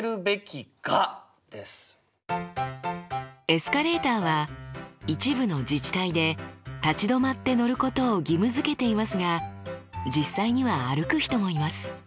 エスカレーターは一部の自治体で立ち止まって乗ることを義務づけていますが実際には歩く人もいます。